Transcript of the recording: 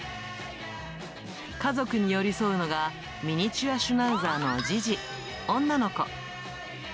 家族に寄り添うのが、ミニチュアシュナウザーのジジ、女の子。